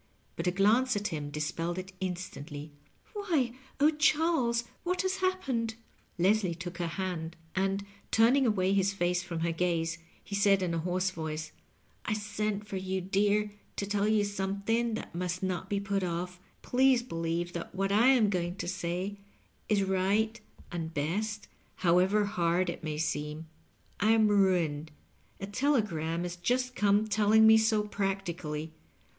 But a glance at him dispelled it instantly. " Why— oh, Charles, what has happened ?" Leslie took her hand, and turning away his face from her gaze, he said in a hoarse voice, " I sent for you, dear, to tell you something that must not be put ofiE. Please believe that what I am going to say is right and best, however hard it may seem. I am ruined. A telegram has just come telling me so, practically.